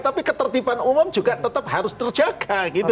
tapi ketertiban umum juga tetap harus terjaga gitu